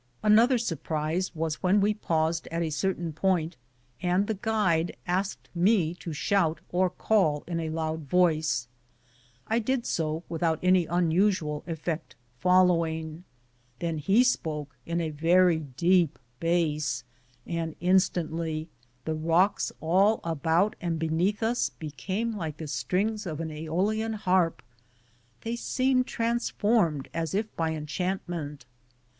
Another surprise was when we paused at a certain point, and the guide asked me to shout or call in a loud voice. I did so without any unusual effect following. Then he spoke in a very deep base, and instantly the rocks all about and beneath us became like the strings of an ^Eolian harp. They seemed transformed as if by enchantment.